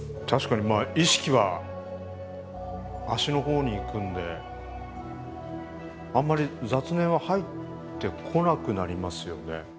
確かにまあ意識は足の方にいくんであんまり雑念は入ってこなくなりますよね。